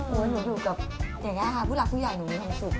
ผมว่าหนูอยู่กับผู้รักคุณยายหนูมีความสุข